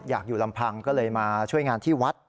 อยู่ลำพังก็เลยมาช่วยงานที่วัด